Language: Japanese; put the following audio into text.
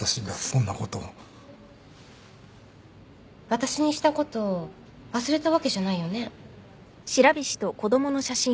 私にしたこと忘れたわけじゃないよね？